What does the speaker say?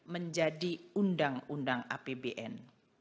menjadi undang undang apbn